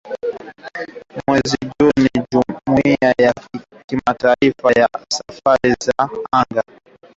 mwezi Juni jumuiya ya kimataifa ya safari za anga ilisema kwamba Nigeria haikutoa dola milioni mia nne